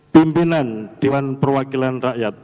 pimpinan dewan perwakilan rakyat